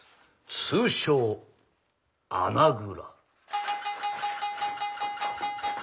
通称穴蔵。